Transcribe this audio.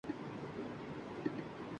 اس کا ہدف زرداری حکومت کے پر کترنا تھا۔